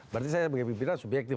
berarti saya sebagai pimpinan subjektif